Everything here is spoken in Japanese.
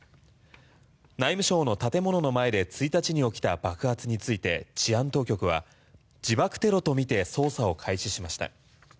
内務省の建物の前で１日に起きた爆発について治安当局は自爆テロとみて捜査を開始しました。